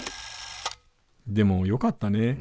でもよかったね。